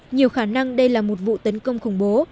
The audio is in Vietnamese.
nhiều khả năng đây là một vụ tấn công khủng bố